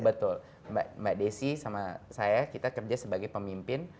betul mbak desi sama saya kita kerja sebagai pemimpin